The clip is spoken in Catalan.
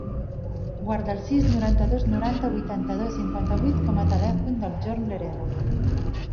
Guarda el sis, noranta-dos, noranta, vuitanta-dos, cinquanta-vuit com a telèfon del Bjorn Lerena.